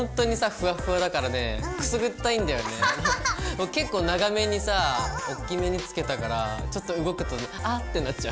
もう結構長めにさおっきめにつけたからちょっと動くとあってなっちゃう。